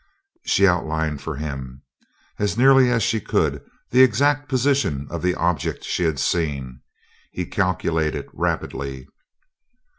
She outlined for him, as nearly as she could, the exact position of the object she had seen, and he calculated rapidly.